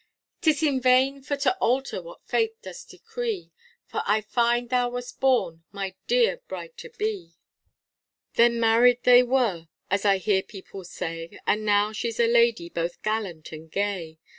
'Tis in vain for to alter what fate does decree, For I find thou wast born my dear bride to be; Then married they were, as I hear people say, And now she's a lady both gallant and gay.